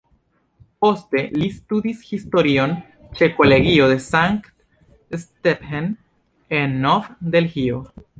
Poste li studis historion ĉe Kolegio de Sankt-Stephen en Nov-Delhio.